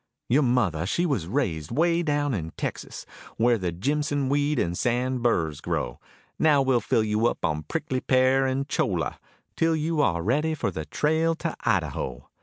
Your mother she was raised way down in Texas, Where the jimson weed and sand burrs grow; Now we'll fill you up on prickly pear and cholla Till you are ready for the trail to Idaho.